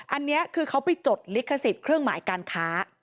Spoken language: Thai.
อันนี้คือเขาไปจดลิขสิทธิ์เครื่องหมายการค้า